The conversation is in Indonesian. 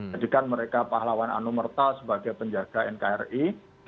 jadi kan mereka pahlawan anumerta sebagai penjaga nkri